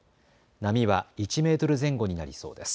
波は１メートル前後になりそうです。